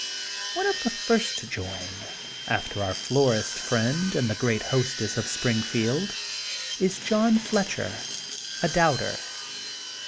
One of the first to join, after our florist friend and the great hostess of Springfield, is John Fletcher, a Doubter.